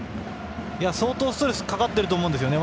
相当ストレスがかかっていると思うんですね。